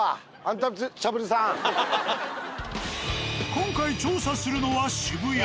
今回調査するのは。